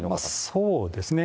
そうですね。